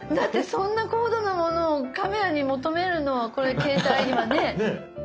そんな高度なものをカメラに求めるのはこれ携帯にはねえ。ねえ。